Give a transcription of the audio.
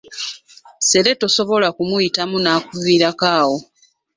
Ssere tosobola kumuyitamu n’akuviirako awo.